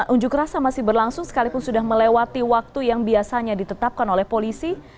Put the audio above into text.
unjuk rasa masih berlangsung sekalipun sudah melewati waktu yang biasanya ditetapkan oleh polisi